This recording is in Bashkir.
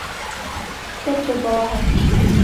Терпе балаһы: